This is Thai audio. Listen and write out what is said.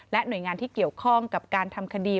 หน่วยงานที่เกี่ยวข้องกับการทำคดี